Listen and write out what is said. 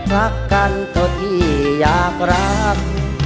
รักกันเท่าที่อยากรัก